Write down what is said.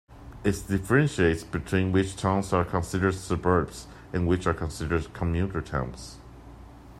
It differentiates between which towns are considered suburbs, and which are considered commuter towns.